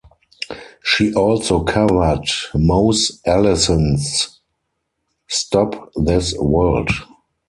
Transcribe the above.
She also covered Mose Allison's "Stop This World".